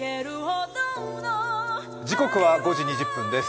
時刻は５時２０分です。